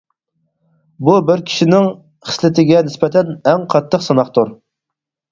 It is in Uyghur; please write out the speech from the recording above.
بۇ-بىر كىشىنىڭ خىسلىتىگە نىسبەتەن ئەڭ قاتتىق سىناقتۇر.